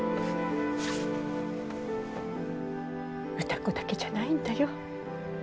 歌子だけじゃないんだよ。